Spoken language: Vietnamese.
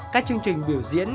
các chương trình biểu diễn